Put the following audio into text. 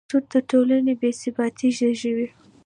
سود د ټولنې بېثباتي زېږوي.